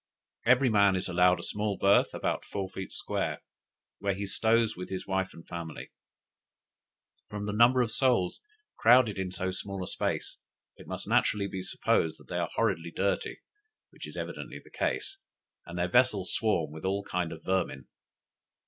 Every man is allowed a small berth, about four feet square, where he stows with his wife and family. From the number of souls crowded in so small a space, it must naturally be supposed they are horridly dirty, which is evidently the case, and their vessels swarm with all kinds of vermin.